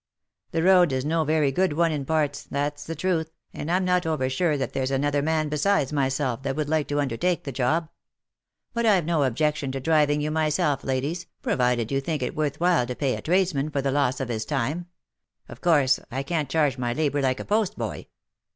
The road is no very good one in parts, that's the truth, and I'm not over sure that there's another man besides myself that would like to undertake the job ; but I've no objection to driving you myself, ladies, provided you think it worth while to pay a tradesman for the loss of his time — of course I can't charge my labour like a postboy."